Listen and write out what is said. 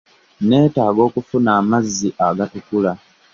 Netaaga okufuna amazzi agatukula.